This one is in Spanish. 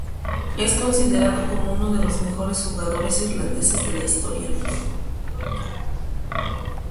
Es considerado como uno de los mejores jugadores irlandeses de la historia.